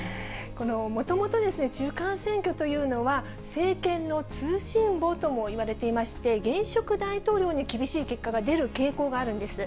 もともと中間選挙というのは、政権の通信簿ともいわれていまして、現職大統領に厳しい結果が出る傾向があるんです。